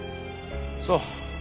そう。